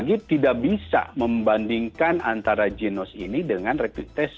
kita tidak bisa membandingkan antara genus ini dengan rektriktes